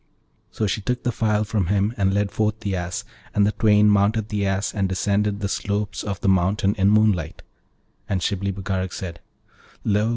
So she took the phial from him and led forth the Ass, and the twain mounted the Ass and descended the slopes of the mountain in moonlight; and Shibli Bagarag said, 'Lo!